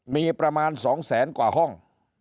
มีประมาณ๒แสนกว่าห้อง